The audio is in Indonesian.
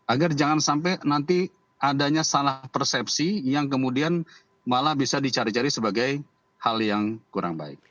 agar jangan sampai nanti adanya salah persepsi yang kemudian malah bisa dicari cari sebagai hal yang kurang baik